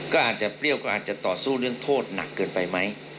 ก็อาจจะเปรี้ยวก็อาจจะต่อสู้เรื่องโทษหนักเกินไปไหม